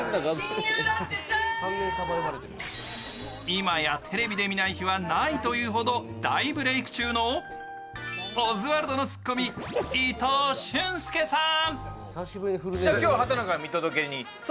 今やテレビで見ない日はないという、大ブレーク中のオズワルドのツッコミ・伊藤俊介さん。